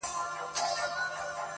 ډنبار ډېر نېستمن وو -